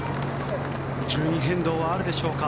順位変動はあるでしょうか。